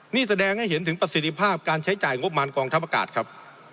นี่แสดงให้เห็นถึงประสิทธิภาพการใช้จ่ายงบมารกองทัพอากาศครับ